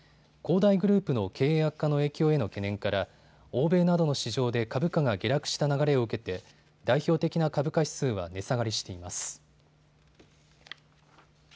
大グループの経営悪化の影響への懸念から欧米などの市場で株価が下落した流れを受けて代表的な株価指数は値下がりしています。